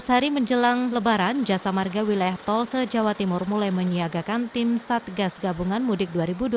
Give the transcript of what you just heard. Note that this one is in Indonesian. empat belas hari menjelang lebaran jasa marga wilayah tol se jawa timur mulai menyiagakan tim satgas gabungan mudik dua ribu dua puluh